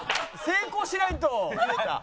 成功しないと。